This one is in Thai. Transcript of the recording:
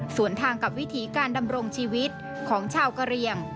ส่วนทางกับวิถีการดำรงชีวิตของชาวกะเรียง